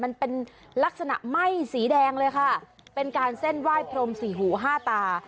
มันเป็นลักษณะไหม้สีแดงเลยค่ะเป็นการเส้นไหว้พรมสี่หูห้าตา